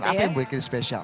apa yang membuatnya spesial